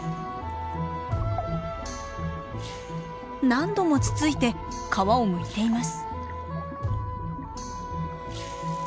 何度もつついて皮をむいています。